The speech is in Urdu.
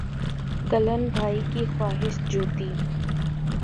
کلن بھائی کی خواہش جوتی